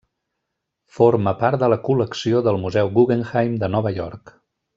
Forma part de la col·lecció del Museu Guggenheim de Nova York.